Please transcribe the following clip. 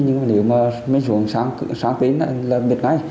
nhưng mà nếu mà mới xuống sáng tính là biết ngay